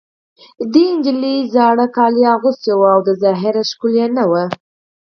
دې نجلۍ زړې جامې اغوستې وې او ظاهراً ښکلې نه وه